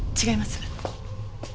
違います。